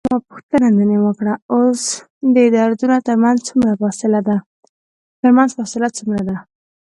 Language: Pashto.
ما پوښتنه ځنې وکړل: اوس د دردونو ترمنځ فاصله څومره ده؟